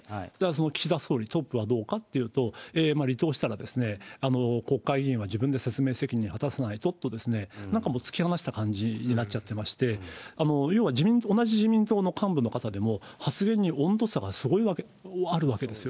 その岸田総理、トップはどうかというと、離党したら、国会議員は自分で説明責任を果たさないとと、なんか突き放した感じになっちゃってまして、要は同じ自民党の幹部の方でも、発言に温度差がすごいあるわけです。